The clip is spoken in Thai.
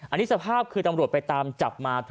อันนี้สภาพคือตำรวจไปตามจับมา